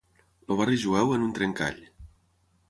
El barri jueu en un trencall.